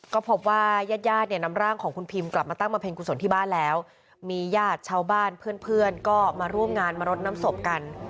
ก็พบว่าญาติญาติเนี่ยนำร่างของคุณพิมกลับมาตั้งบำเพ็ญกุศลที่บ้านแล้วมีญาติชาวบ้านเพื่อนก็มาร่วมงานมารดน้ำศพกัน